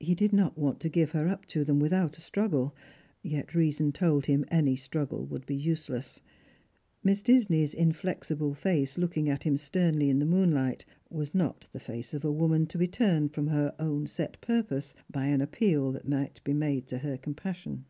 He did not want to give her up to them without a struggle, 3'et reason told him any struggle would be useless. Miss Disney'a indexible face, looking at him sternly in the moonhght, was not the face of a woman to be turned from her own set purpose by an appeal that might be made to her compassion.